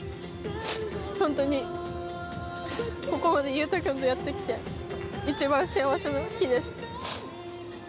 本当にここまで勇大君とやってきて、一番幸せな日です。